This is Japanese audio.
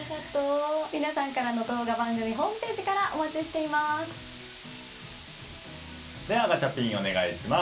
皆さんからの動画番組ホームページからではガチャピン、お願いします。